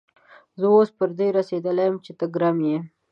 زه اوس پر دې رسېدلی يم چې ته ګرم يې.